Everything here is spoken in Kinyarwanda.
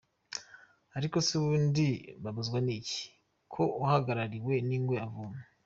Ariko se ubundi babuzwa n’iki ko uhagarariwe n’ingwe avoma ?”.